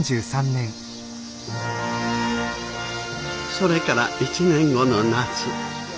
それから１年後の夏。